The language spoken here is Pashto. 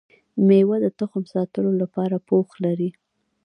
ميوه د تخم ساتلو لپاره غوښه پوښ لري